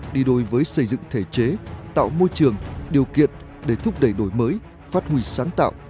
đi đôi với xây dựng thể chế tạo môi trường điều kiện để thúc đẩy đổi mới phát huy sáng tạo